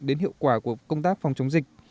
đến hiệu quả của công tác phòng chống dịch